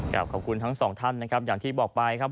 ขอบคุณทั้งสองท่านนะครับอย่างที่บอกไปครับ